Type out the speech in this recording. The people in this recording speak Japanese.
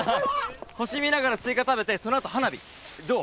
星見ながらスイカ食べてそのあと花火どう？